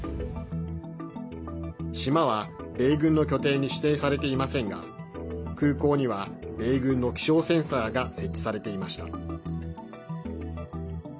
島は米軍の拠点に指定されていませんが空港には米軍の気象センサーが設置されていました。